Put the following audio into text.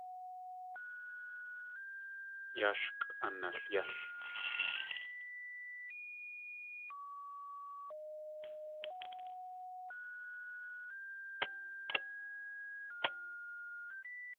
Yaa sh k̲ʼanalyél.